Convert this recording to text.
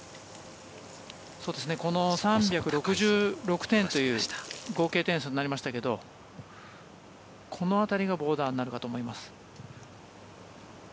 ３６６点という合計点数になりましたけどこの辺りがボーダーになるかと思います。